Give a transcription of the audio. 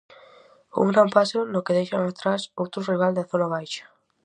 Un gran paso, no que deixan atrás outro rival da zona baixa.